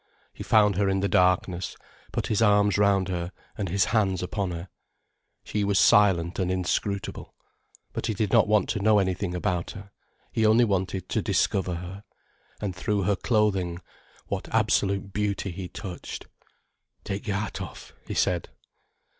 He found her in the darkness, put his arms round her and his hands upon her. She was silent and inscrutable. But he did not want to know anything about her, he only wanted to discover her. And through her clothing, what absolute beauty he touched. "Take your hat off," he said.